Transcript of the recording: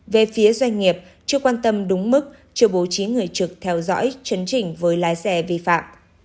về phía doanh nghiệp chưa quan tâm đúng mức chưa bố trí người trực theo dõi chấn chỉnh với lái xe vi phạm